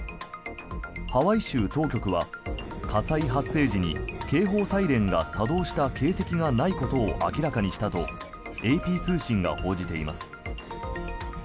ハワイ州当局は、火災発生時に警報サイレンが作動した形跡がないことを明らかにしたとＡＰ通信が報じています。